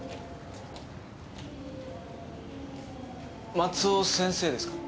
松尾先生ですか？